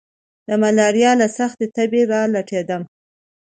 د ملاريا له سختې تبي را لټېدم.